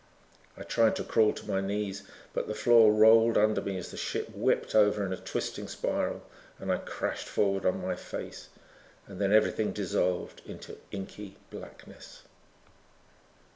I tried to crawl to my knees but the floor rolled under me as the ship whipped over in a twisting spiral and I crashed forward on my face. Then everything dissolved into inky blackness....